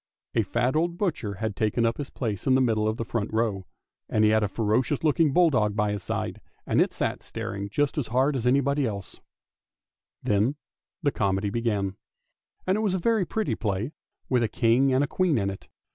A fat old butcher had taken up his place in the middle of the front row, and he had a ferocious looking bulldog by his side, and it sat staring just as hard as anybody else. THE TRAVELLING COMPANIONS 371 Then the comedy began, and it was a very pretty play, with a King and a Queen in it.